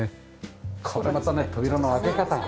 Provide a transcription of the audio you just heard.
これまたね扉の開け方がね。